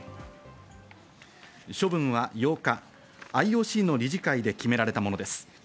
処分は８日、ＩＯＣの理事会で決められたものです。